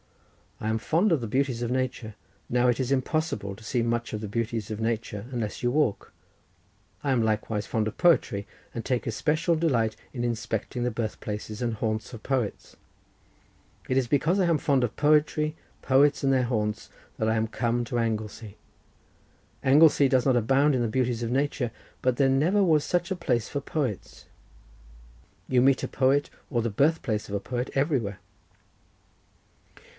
I am fond of the beauties of nature; now it is impossible to see much of the beauties of nature unless you walk. I am likewise fond of poetry, and take especial delight in inspecting the birth places and haunts of poets. It is because I am fond of poetry, poets and their haunts, that I am come to Anglesey. Anglesey does not abound in the beauties of nature, but there never was such a place for poets; you meet a poet, or the birth place of a poet, everywhere."